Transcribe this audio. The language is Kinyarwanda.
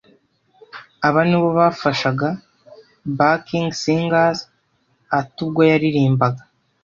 Aba nibo bafashaga (backing singers)Arthur ubwo yaririmbaga